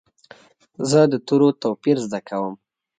زه د تورو توپیر زده کوم.